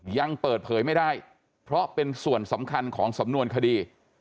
ยังเปิดเผยไม่ได้เพราะเป็นส่วนสำคัญของสำนวนคดี